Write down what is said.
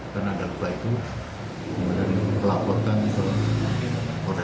tetap dalam kentung secara medis